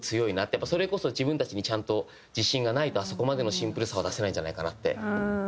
やっぱそれこそ自分たちにちゃんと自信がないとあそこまでのシンプルさは出せないんじゃないかなって。